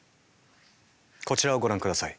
こちらをご覧ください。